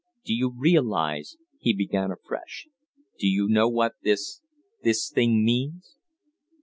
"Do you realize ?" he began afresh. "Do you know what this this thing means?"